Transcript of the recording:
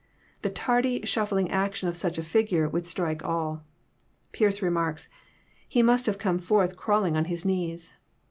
The tardy, shuffling action of such a figure would strike all. Pearce re marks, " He must have come forth crawling on his knees."